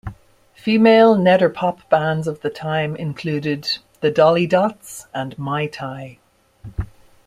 Female Nederpop bands of the time included the Dolly Dots and Mai Tai.